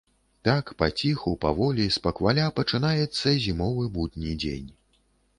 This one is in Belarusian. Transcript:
Так, паціху, паволі, спакваля пачынаецца зімовы будні дзень.